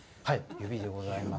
指でございます。